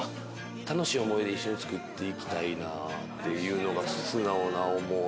楽しい思い出一緒に作っていきたいなっていうのが素直な思い。